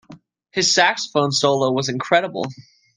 His saxophone solo was incredible.